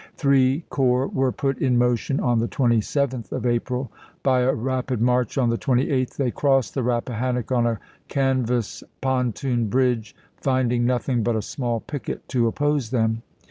Three corps were put in motion on the 27th of April ; by a rapid march on the 28th they crossed the Rappahannock on a canvas pon toon bridge, finding nothing but a small picket to oppose them.